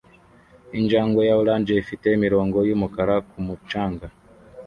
Injangwe ya orange ifite imirongo yumukara ku mucanga